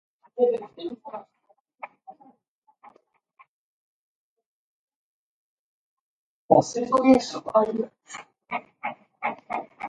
I am not sure that it is dark enough yet, but listen!